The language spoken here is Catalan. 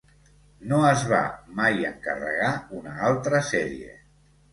No es va mai encarregar una altra sèrie.